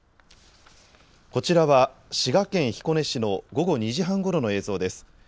こちらは滋賀県彦根市の午後２時半ごろの映像です。